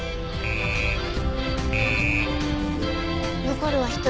残るは１人。